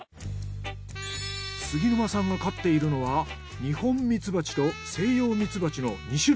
杉沼さんが飼っているのはニホンミツバチとセイヨウミツバチの２種類。